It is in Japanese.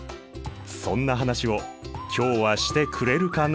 そんな話を今日はしてくれるかな？